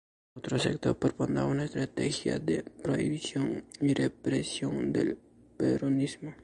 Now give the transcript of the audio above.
Otro sector propondrá una estrategia de prohibición y represión del peronismo.